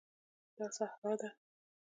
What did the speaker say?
دا صحرا ده